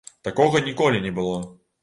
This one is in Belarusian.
Такога ніколі не было!